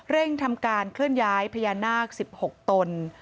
ทำการเคลื่อนย้ายพญานาค๑๖ตน